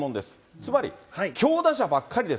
つまり強打者ばっかりです。